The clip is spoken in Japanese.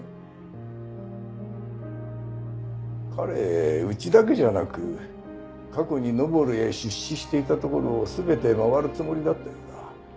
彼うちだけじゃなく過去にヌボルへ出資していたところを全て回るつもりだったようだ。